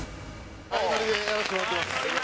前乗りでやらせてもらってます。